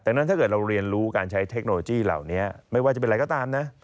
ดังนั้นถ้าเกิดเราเรียนรู้การใช้เทคโนโลยีเหล่านี้ไม่ว่าจะเป็นอะไรก็ตามนะ